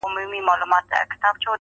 تروږمۍ چي ډېره سي، سهار نژدې کېږي.